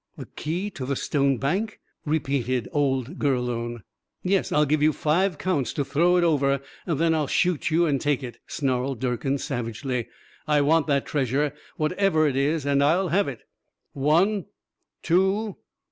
"The key to the stone bank?" repeated old Gurlone. "Yes. I'll give you five counts to throw it over then I'll shoot you and take it," snarled Durkin savagely. "I want that treasure, whatever it is, and I'll have it. One ... two